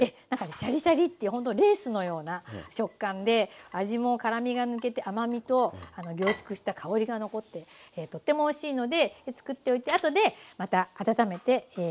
シャリシャリってほんとレースのような食感で味も辛みが抜けて甘みと凝縮した香りが残ってとてもおいしいので作っておいて後でまた温めてかけていきます。